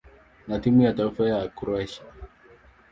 na timu ya taifa ya Kroatia.